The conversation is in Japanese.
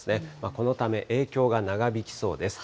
このため影響が長引きそうです。